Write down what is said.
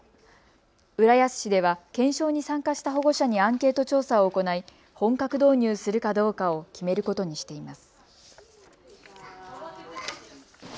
浦安市では検証に参加した保護者にアンケート調査を行い本格導入するかどうかを決めることにしています。